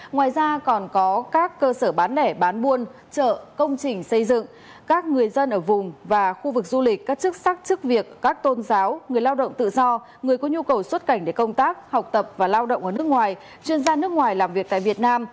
ngoài ra còn có các cơ sở bán lẻ bán buôn chợ công trình xây dựng các người dân ở vùng và khu vực du lịch các chức sắc chức việc các tôn giáo người lao động tự do người có nhu cầu xuất cảnh để công tác học tập và lao động ở nước ngoài chuyên gia nước ngoài làm việc tại việt nam